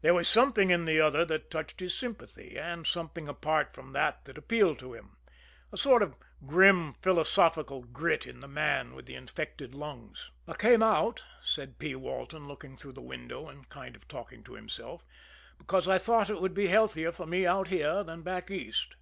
There was something in the other that touched his sympathy, and something apart from that that appealed to him a sort of grim, philosophical grit in the man with the infected lungs. "I came out," said P. Walton, looking through the window, and kind of talking to himself, "because I thought it would be healthier for me out here than back East."